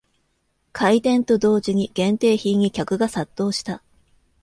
開店と同時に限定品に客が殺到した